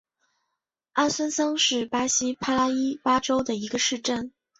阿孙桑是巴西帕拉伊巴州的一个市镇。